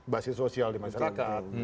basis sosial di masyarakat